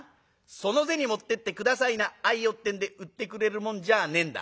その銭持ってって『下さいな』『あいよ』ってんで売ってくれるもんじゃねえんだ。